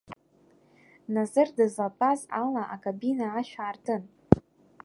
Назыр дызлатәаз ала акабина ашә аартын.